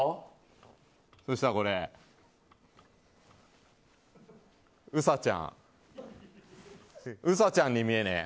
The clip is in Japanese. そうするとこれ、ウサちゃん。ウサちゃんに見えねえ？